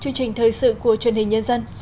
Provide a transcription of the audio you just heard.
chương trình thời sự của truyền hình nhân dân